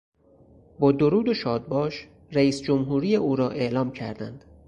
با درود و شادباش رییس جمهوری او را اعلام کردند.